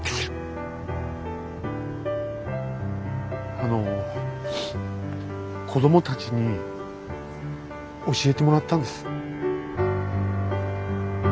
あの子供たちに教えてもらったんです。